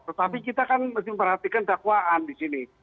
tetapi kita kan mesti memperhatikan dakwaan di sini